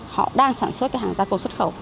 họ đang sản xuất cái hàng gia công xuất khẩu